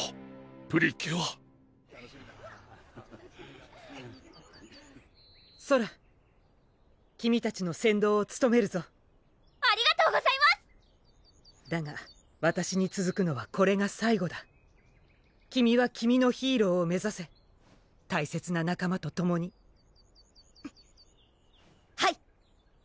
プリキュアソラ君たちの先導をつとめるぞありがとうございますだがわたしにつづくのはこれが最後だ君は君のヒーローを目指せ大切な仲間とともにはい！